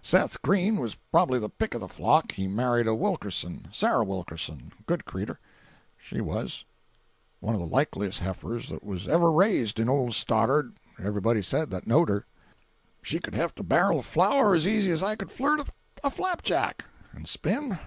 'Seth Green was prob'ly the pick of the flock; he married a Wilkerson—Sarah Wilkerson—good cretur, she was—one of the likeliest heifers that was ever raised in old Stoddard, everybody said that knowed her. She could heft a bar'l of flour as easy as I can flirt a flapjack. And spin?